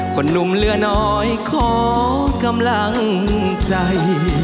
หนุ่มเหลือน้อยขอกำลังใจ